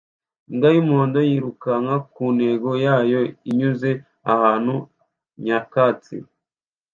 Imbwa y'umuhondo yiruka ku ntego yayo inyuze ahantu nyakatsi